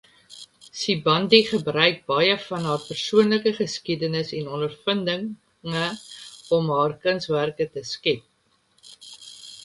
Sibande gebruik baie van haar persoonlike geskiedenis en ondervindinge om haar kunswerke te skep.